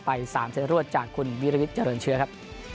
ไป๓เซตรวดจากคุณวิรวิทย์เจริญเชื้อครับ